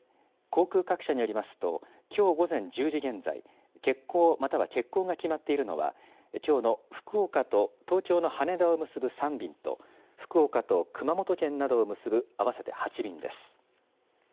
航空各社によりますときょう午前１０時現在、欠航、または欠航が決まっているのはきょうの福岡と東京の羽田を結ぶ３便と福岡と、熊本県などを結ぶ合わせて８便です。